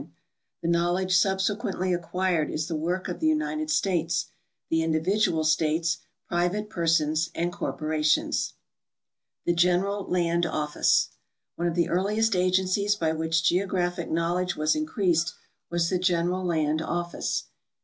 The knowledge subsequently acquired is the work of the United States, the in dividual states, private persons, and corporations. The General Land Office. — One of the earliest agencies b}'' which geographic knowledge was increased was the General Land Office.